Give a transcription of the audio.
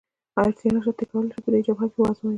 اړتیا یې نشته، ته کولای شې دی په جبهه کې وآزموېې.